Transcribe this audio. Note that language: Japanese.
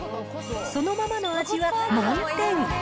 そのままの味は満点。